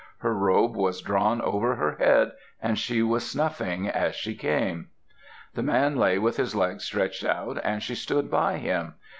Her robe was drawn over her head and she was snuffing as she came. The man lay with his legs stretched out, and she stood by him.